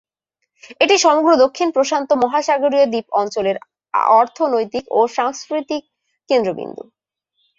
এটি সমগ্র দক্ষিণ প্রশান্ত মহাসাগরীয় দ্বীপ অঞ্চলের অর্থনৈতিক ও সাংস্কৃতিক কেন্দ্রবিন্দু।